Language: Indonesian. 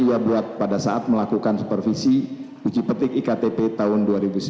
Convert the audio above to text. ia buat pada saat melakukan supervisi uji petik iktp tahun dua ribu sembilan belas